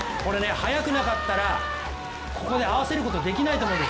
速くなかったらここで合わせることができないと思うんです。